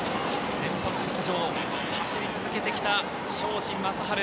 先発出場、走り続けてきた庄司壮晴。